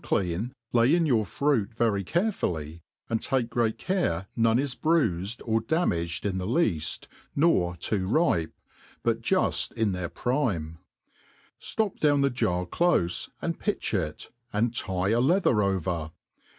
3*9 clean, lay in your fruit very carefully, and take great care none i$ briiifed or damagtd in the ieaft, nor too ripe, butjuftin their prime ; ftop down the jar cloCe, and pit'Ch it, and tit a Jeatber over.